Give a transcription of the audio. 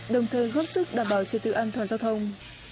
đồng thời góp sức đảm bảo trật tự an toàn giao thông